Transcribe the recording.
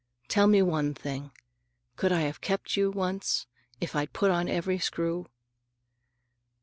Tell me one thing: could I have kept you, once, if I'd put on every screw?"